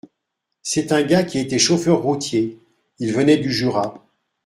C’est un gars qui était chauffeur routier. Il venait du Jura.